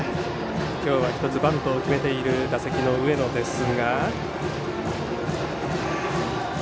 今日は１つバントを決めている打席の上野です。